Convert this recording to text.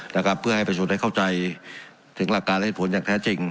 นะครับเพื่อให้ประชาชนได้เข้าใจถึงหลักการและเหตุผลอย่างแท้จริง